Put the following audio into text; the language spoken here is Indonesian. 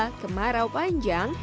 di kemarau panjang